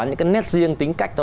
những cái nét riêng tính cạch